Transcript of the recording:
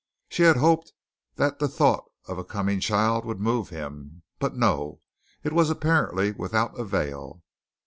She had hoped that the thought of a coming child would move him, but no, it was apparently without avail.